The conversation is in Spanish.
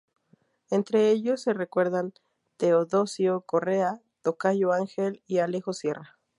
Entre ellos se recuerdan "Teodosio Correa, Tocayo Ángel y Alejo Sierra.